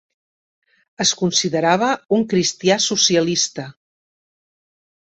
Es considerava un "cristià socialista".